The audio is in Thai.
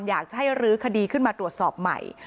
อยากจะให้รื้อคดีขึ้นมาตรวจสอบใหม่